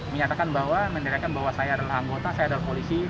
menyatakan bahwa saya adalah anggota saya adalah polisi